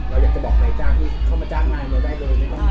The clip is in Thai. เราอยากจะบอกนายจ้างที่เข้ามาจ้างงานมาได้เลย